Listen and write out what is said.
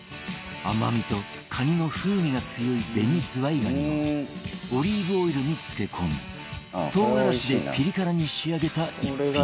甘みとカニの風味が強いベニズワイガニをオリーブオイルに漬け込み唐辛子でピリ辛に仕上げた一品